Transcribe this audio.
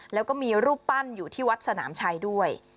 แล้วก็มีรูปปั้นอยู่ที่วัดสนามชัยด้วย